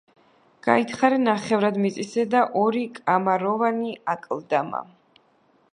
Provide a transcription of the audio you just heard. გაითხარა ნახევრად მიწისზედა ორი კამაროვანი აკლდამა.